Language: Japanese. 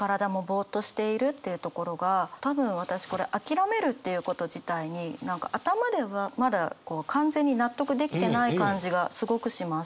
っていうところが多分私これ諦めるっていうこと自体に何か頭ではまだこう完全に納得できてない感じがすごくします。